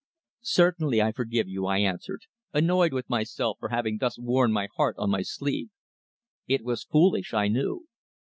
"Certainly, I forgive you," I answered, annoyed with myself for having thus worn my heart on my sleeve. It was foolish, I knew.